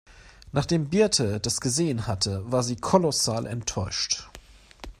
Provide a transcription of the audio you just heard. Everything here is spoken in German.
Nachdem Birte das gesehen hatte, war sie kolossal enttäuscht.